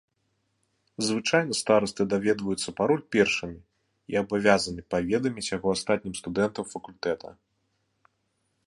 Звычайна старасты даведваюцца пароль першымі і абавязаны паведаміць яго астатнім студэнтам факультэта.